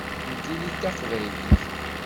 Nekkini d taqbaylit.